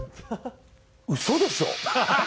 うそでしょ？